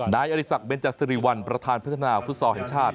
นายอริสักเบนจัดสิริวัลประธานพัฒนาฟุตซอลแห่งชาติ